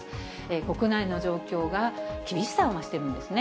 国内の状況が厳しさを増しているんですね。